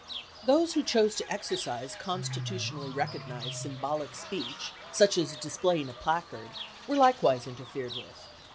Those who chose to exercise constitutionally recognized symbolic speech, such as displaying a placard, were likew; se interfered with.